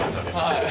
はい。